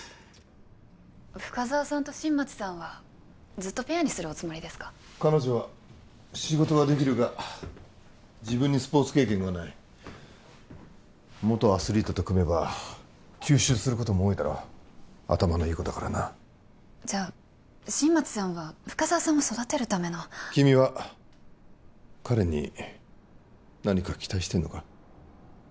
深沢さんと新町さんはずっとペアにするおつもりですか彼女は仕事はできるが自分にスポーツ経験はない元アスリートと組めば吸収することも多いだろ頭のいい子だからなじゃあ新町さんは深沢さんを育てるための君は彼に何か期待してんのか？